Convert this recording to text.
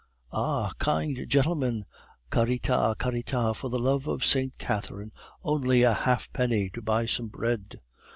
"Ah, kind gentleman! carita, carita; for the love of St. Catherine! only a halfpenny to buy some bread!"